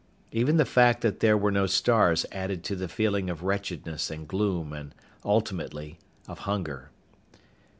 Even the fact that there were no stars added to the feeling of wretchedness and gloom and, ultimately, of hunger.